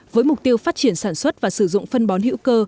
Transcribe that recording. với mục tiêu phát triển sản xuất và sử dụng phân bón hữu cơ